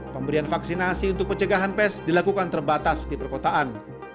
pemberian vaksinasi untuk pencegahan pes dilakukan terbatas di perkotaan